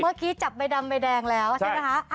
เมื่อกี้จับใบดำใบแดงแล้วใช่ไหมคะ